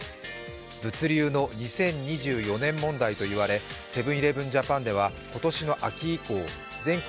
物流の２０２４年問題といわれセブン−イレブン・ジャパンでは今年の秋以降全国